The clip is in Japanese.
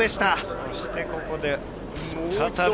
そしてここで、再び。